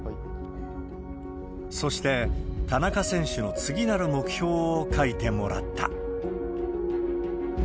そして、田中選手の次なる目標を書いてもらった。